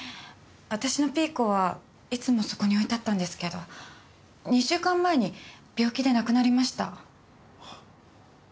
私のピーコはいつもそこに置いてあったんですけど２週間前に病気で亡くなりました。